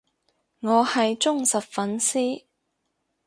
我係忠實粉絲